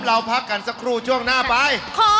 เราพักกันสักครู่ช่วงหน้าไป